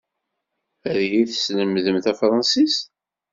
Ad iyi-teslemdem tafṛensist?